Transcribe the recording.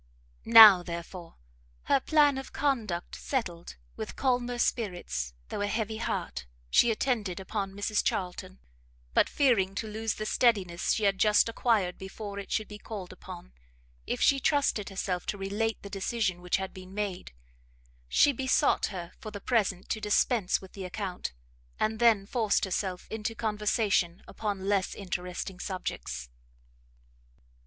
Now, therefore, her plan of conduct settled, with calmer spirits, though a heavy heart, she attended upon Mrs Charlton; but fearing to lose the steadiness she had just acquired before it should be called upon, if she trusted herself to relate the decision which had been made, she besought her for the present to dispense with the account, and then forced herself into conversation upon less interesting subjects.